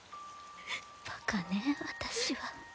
バカね私は。